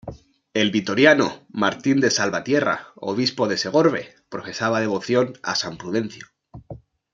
El vitoriano Martín de Salvatierra, obispo de Segorbe, profesaba devoción a san Prudencio.